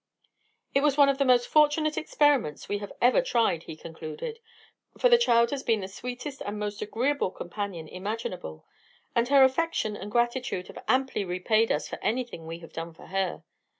"It was one of the most fortunate experiments we have ever tried," he concluded; "for the child has been the sweetest and most agreeable companion imaginable, and her affection and gratitude have amply repaid us for anything we have done for her.